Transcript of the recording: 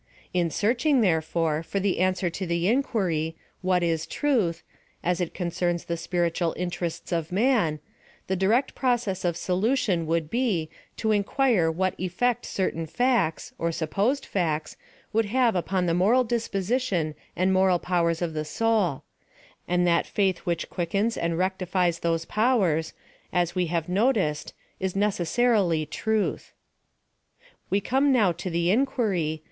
In searching, therefore, for the answer to the inquiry, What is Truth? as it concerns the spiritual in terests of man, the direct process of solution would be, to inquire what effect certain facts, or supposed facts, would have upon the moral disposition and moral powers of the soul ; and that faith which quickens and rectifies those powers, as we have no ticed, is necessarily truth. We come now to the inquiry.